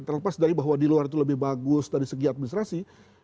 terlepas dari bahwa di luar itu lebih bagus dari segi administrasi